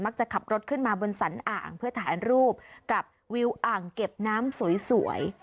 จะขับรถขึ้นมาบนสันอ่างเพื่อถ่ายรูปกับวิวอ่างเก็บน้ำสวย